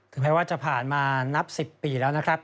แม้ว่าจะผ่านมานับ๑๐ปีแล้วนะครับ